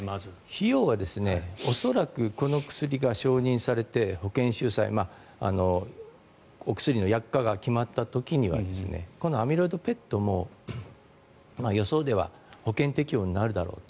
費用は恐らくこの薬が承認されて、保険収載お薬の薬価が決まった時にはこのアミロイドＰＥＴも予想では保険適用になるだろうと。